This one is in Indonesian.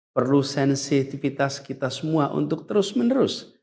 perlu sensitivitas kita semua untuk terus menerus